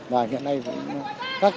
và hiện nay vẫn